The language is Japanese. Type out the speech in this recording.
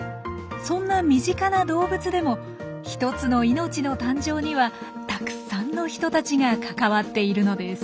そんな身近な動物でも１つの命の誕生にはたくさんの人たちが関わっているのです。